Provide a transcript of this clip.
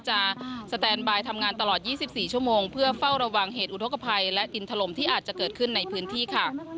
จะสแตนบายทำงานตลอด๒๔ชั่วโมงเพื่อเฝ้าระวังเหตุอุทธกภัยและดินถล่มที่อาจจะเกิดขึ้นในพื้นที่ค่ะ